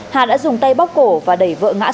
hà đã dùng tay bóc cổ và đẩy vợ